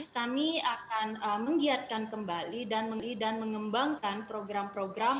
kami akan menggiatkan kembali dan mengembangkan program program